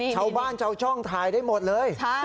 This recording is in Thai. ชาวบ้านชาวช่องถ่ายได้หมดเลย